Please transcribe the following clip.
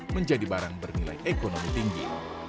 menjadi barang bernilai ekonomi tinggi